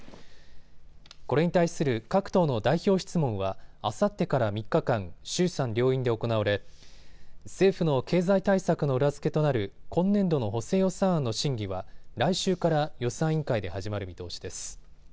これに対する各党の代表質問はあさってから３日間、衆参両院で行われ政府の経済対策の裏付けとなる今年度の補正予算案の審議は来週から予算委員会で始まる見通しです。